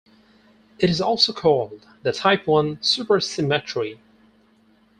It is also called the type one supersymmetry.